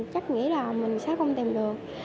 chắc nghĩ là mình sẽ không tìm được